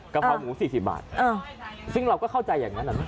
เพราหมู๔๐บาทซึ่งเราก็เข้าใจอย่างนั้น